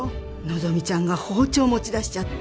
希ちゃんが包丁持ち出しちゃって。